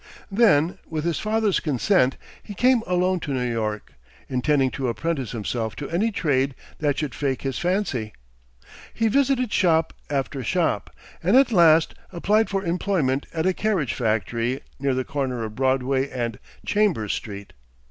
Then, with his father's consent, he came alone to New York, intending to apprentice himself to any trade that should fake his fancy. He visited shop after shop, and at last applied for employment at a carriage factory near the corner of Broadway and Chambers Street.